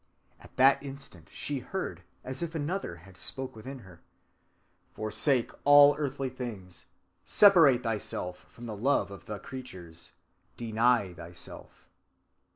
At that instant she heard, as if another had spoke within her: _Forsake all earthly things. Separate thyself from the love of the creatures. Deny thyself.